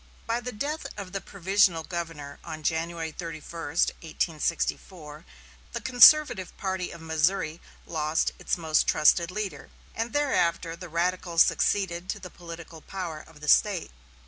By the death of the provisional governor on January 31, 1864, the conservative party of Missouri lost its most trusted leader, and thereafter the radicals succeeded to the political power of the State.